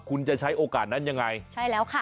คุณจะใช้โอกาสนั้นยังไงใช่แล้วค่ะ